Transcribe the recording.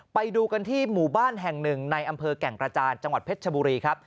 ไปดูกันที่หมู่บ้านแห่งหนึ่งในอำเภอแก่งกระจานจังหวัดเพชรชบุรีครับ